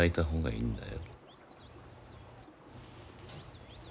いいんだよ。